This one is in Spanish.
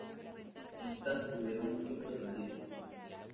Estas tuvieron muchos pretendientes.